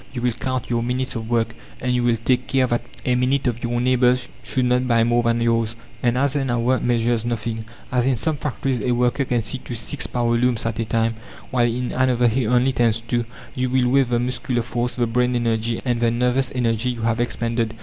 You will count your minutes of work, and you will take care that a minute of your neighbours should not buy more than yours. "And as an hour measures nothing, as in some factories a worker can see to six power looms at a time, while in another he only tends two, you will weigh the muscular force, the brain energy, and the nervous energy you have expended.